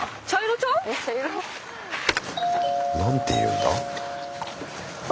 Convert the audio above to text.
何て言うんだ？